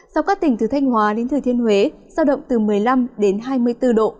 sau các tỉnh từ thanh hóa đến thời thiên huế sao động từ một mươi năm hai mươi bốn độ